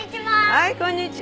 はいこんにち。